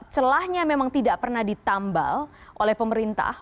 celahnya memang tidak pernah ditambal oleh pemerintah